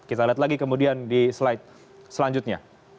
kita lihat lagi kemudian di slide selanjutnya